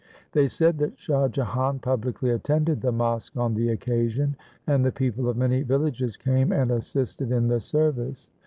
They said that Shah Jahan publicly attended the mosque on the occasion, and the people of many villages came and assisted in the service.